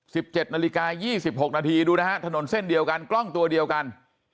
สิบเจ็ดนาฬิกายี่สิบหกนาทีดูนะฮะถนนเส้นเดียวกันกล้องตัวเดียวกัน